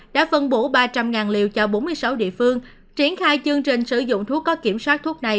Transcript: đã phân bổ ba trăm linh liều cho bốn mươi sáu địa phương triển khai chương trình sử dụng thuốc có kiểm soát thuốc này